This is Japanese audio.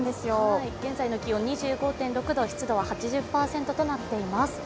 現在の気温２５．６度、湿度は８０％となっています。